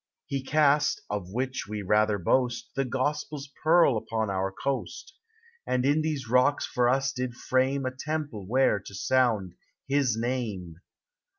He cast (of which we rather boast) The Gospel's pearl upon our coast ; And in these rocks for us did frame A temple where to sound his name.